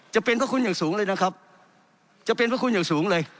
จะเป็นพระคุณอย่างสูงเลยนะครับจะเป็นพระคุณอย่างสูงเลย